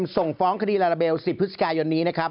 ส่งฟ้องคดีลาลาเบล๑๐พฤศจิกายนนี้นะครับ